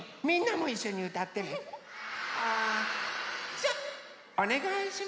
じゃあおねがいします。